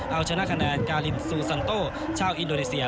เอาชนะคะแนนกาลินซูซันโต้ชาวอินโดนีเซีย